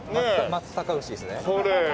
松阪牛ですね。